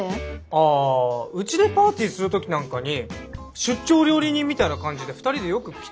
あうちでパーティーする時なんかに出張料理人みたいな感じで２人でよく来てくれるんすよ。